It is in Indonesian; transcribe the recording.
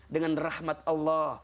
dengan rahmat allah